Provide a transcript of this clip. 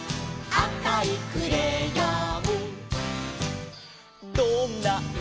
「あおいクレヨン」